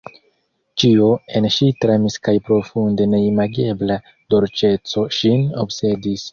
Ĉio en ŝi tremis kaj profunde neimagebla dolĉeco ŝin obsedis.